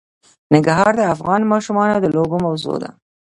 ننګرهار د افغان ماشومانو د لوبو موضوع ده.